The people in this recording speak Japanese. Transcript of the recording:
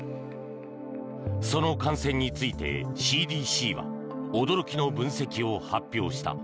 その感染についてＣＤＣは驚きの分析を発表した。